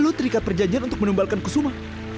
lu terikat perjanjian untuk menumbalkan kusuma